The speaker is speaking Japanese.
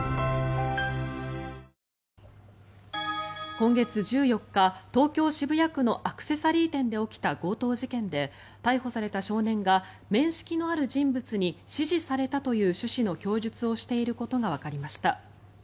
今月１４日、東京・渋谷区のアクセサリー店で起きた強盗事件で逮捕された少年が面識のある人物に指示されたという趣旨の供述をしていることがわかりました。